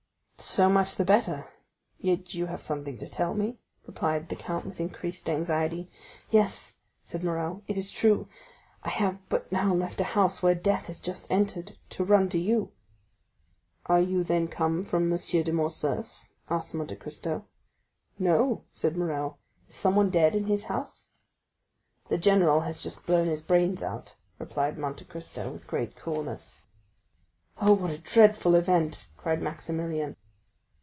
"So much the better; yet you have something to tell me?" replied the count with increased anxiety. "Yes," said Morrel, "it is true; I have but now left a house where death has just entered, to run to you." "Are you then come from M. de Morcerf's?" asked Monte Cristo. "No," said Morrel; "is someone dead in his house?" "The general has just blown his brains out," replied Monte Cristo with great coolness. "Oh, what a dreadful event!" cried Maximilian.